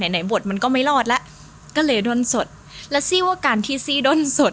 ไหนไหนบทมันก็ไม่รอดแล้วก็เลยด้นสดแล้วซี่ว่าการที่ซี่ด้นสด